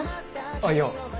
あっいや。